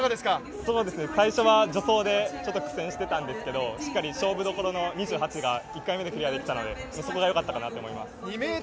最初は助走でちょっと苦戦してたんですけどしっかり勝負どころの２８が１回目で飛躍できたのでよかったです。